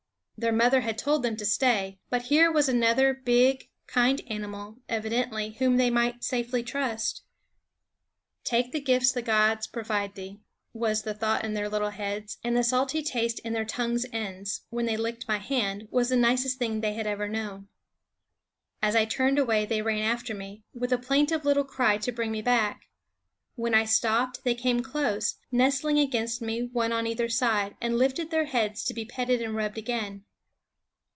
Their mother had told them to stay ; but here was another big kind animal, evidently, whom THE WOODS they might safely trust. " Take the gifts the gods provide thee " was the thought in their little heads; and the taste in their tongues' ends, when they licked my hand, was the nicest thing they had ever known. As I turned away they ran after me, with a plain tive little cry to bring me back. When I stopped they came close, nestling against me, one on either side, and lifted their heads to be petted and rubbed again.